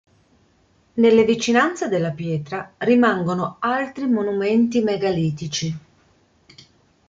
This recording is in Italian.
Nelle vicinanze della pietra rimangono altri monumenti megalitici.